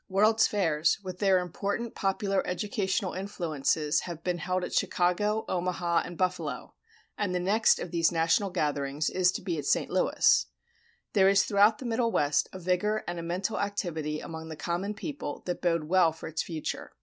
"World's fairs," with their important popular educational influences, have been held at Chicago, Omaha, and Buffalo; and the next of these national gatherings is to be at St. Louis. There is throughout the Middle West a vigor and a mental activity among the common people that bode well for its future.